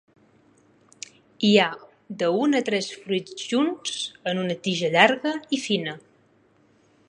Hi ha de un a tres fruits junts en una tija llarga i fina.